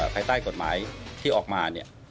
ภายใต้กฎหมายที่ออกมาเนี่ย